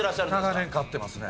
長年飼ってますね。